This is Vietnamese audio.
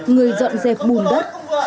người dọn dẹp bùn đất